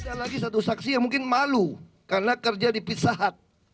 ada lagi satu saksi yang mungkin malu karena kerja di pizza hut